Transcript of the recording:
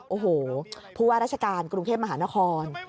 โอ้โหผู้ว่าราชการกรุงเทพมหานคร